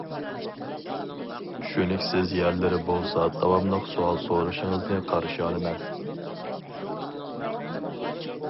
چۈشىنىكسىز يەرلىرى بولسا داۋاملىق سوئال سورىشىڭىزنى قارشى ئالىمەن.